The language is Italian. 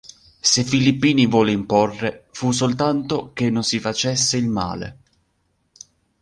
Se Filippini volle imporre, fu soltanto che non si facesse il male.